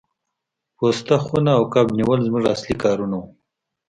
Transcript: پوسته خونه او کب نیول زموږ اصلي کارونه وو